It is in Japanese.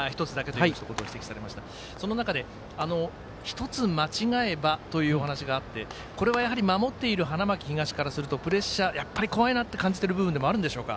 その中で１つ間違えばというお話があって、これはやはり守ってる花巻東からするとプレッシャーやっぱり怖いなと感じている部分あるんでしょうか？